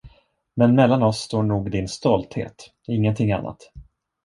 Men mellan oss står nog din stolthet, ingenting annat.